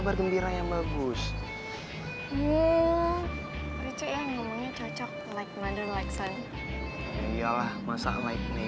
jangan banyak gerak pak